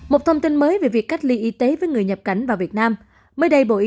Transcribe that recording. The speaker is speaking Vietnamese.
một thông tin mới về việc cách ly y tế với người nhập cảnh vào việt nam